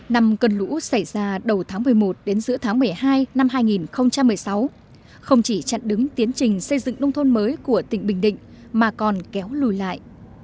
năm cơn lũ xảy ra đầu tháng một mươi một đến giữa tháng một mươi hai năm hai nghìn một mươi sáu không chỉ chặn đứng tiến trình xây dựng nông thôn mới của tỉnh bình định mà còn kéo lùi lại